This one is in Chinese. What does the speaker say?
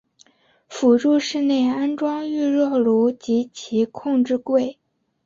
辅助室内安装预热锅炉及其控制柜。